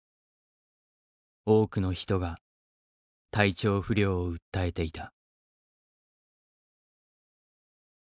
多くの人が体調不良を訴えていた。